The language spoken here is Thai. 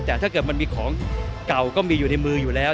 แต่ถ้าเกิดมันมีของเก่าก็มีอยู่ในมืออยู่แล้ว